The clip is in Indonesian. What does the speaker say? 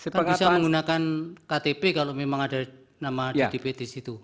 kan bisa menggunakan ktp kalau memang ada nama ddp di situ